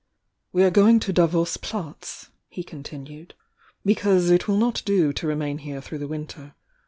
"We are going to Davos Platz," he continued, "be cause it will not do to remain here through the win t ^r.